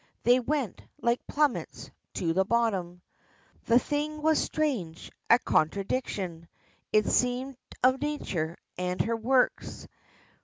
They went, like plummets, to the bottom. The thing was strange a contradiction It seemed of nature and her works!